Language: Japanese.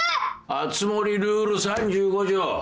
熱護ルール３５条。